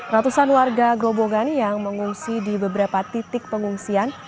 ratusan warga grobogan yang mengungsi di beberapa titik pengungsian